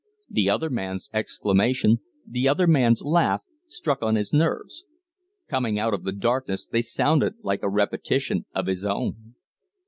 The other man's exclamation, the other man's laugh, struck on his nerves; coming out of the darkness, they sounded like a repetition of his own.